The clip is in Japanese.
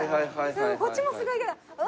こっちもすごいけど。